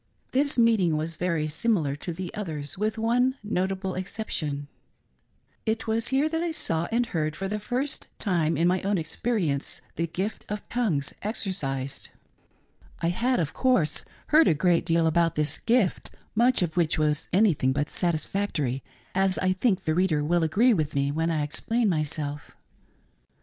This meet ing was very similar to the others, with one notable excep tion :— it was here that I saw and heard, for the iirst time in my own experience, the " gift of tongues " exercised. 66 THE GIFT OF TONGUES, I had, of course, heard a great deal about this " gift," much of which was anything but satisfactory, as I think the reader will agree with me, when I explain myself.